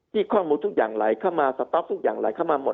ข้อมูลทุกอย่างไหลเข้ามาสต๊อกทุกอย่างไหลเข้ามาหมด